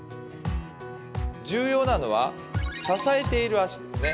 重要なのは、支えている足ですね。